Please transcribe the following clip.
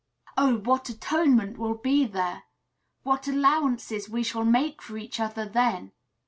Oh! what atonement will be there! What allowances we shall make for each other, then!